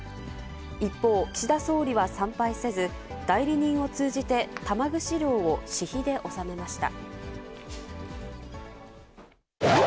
一方、岸田総理は参拝せず、代理人を通じて玉串料を私費で納めました。